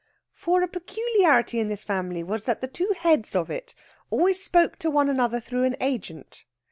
For a peculiarity in this family was that the two heads of it always spoke to one another through an agent.